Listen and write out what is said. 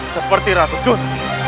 seperti ratu jun